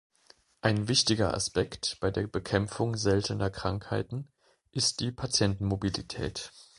Ein wichtiger Aspekt bei der Bekämpfung seltener Krankheiten ist die Patientenmobilität.